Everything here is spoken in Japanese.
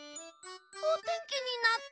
おてんきになった。